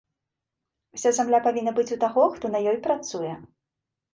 Уся зямля павінна быць у таго, хто на ёй працуе.